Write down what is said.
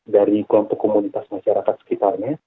dari kelompok komunitas masyarakat sekitarnya